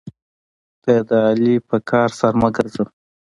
ته د علي په کار سر مه ګرځوه.